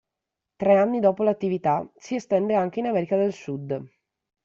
Tre anni dopo l'attività si estende anche in America del Sud.